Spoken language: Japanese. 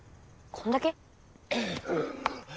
こんだけ？